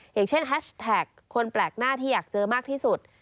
อย่างเช่นแฮชแท็กคนแปลกหน้าที่อยากเจอมากที่สุด